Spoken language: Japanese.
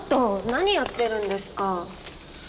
何やってるんですか。